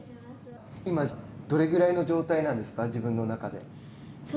今どれくらいの状態なんですか自分の中で。